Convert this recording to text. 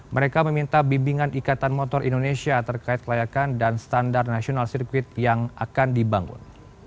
mereka meminta bimbingan ikatan motor indonesia terkait kelayakan dan standar nasional sirkuit yang akan dibangun